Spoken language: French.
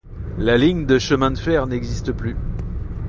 La ligne de chemin de fer n'existe plus.